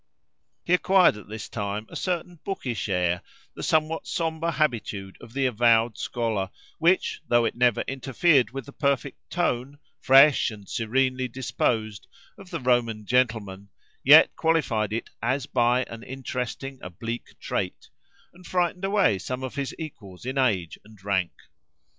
He acquired at this time a certain bookish air, the somewhat sombre habitude of the avowed scholar, which though it never interfered with the perfect tone, "fresh and serenely disposed," of the Roman gentleman, yet qualified it as by an interesting oblique trait, and frightened away some of his equals in age and rank.